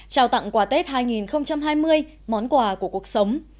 trao tặng quà tết hai nghìn hai mươi món quà của cuộc sống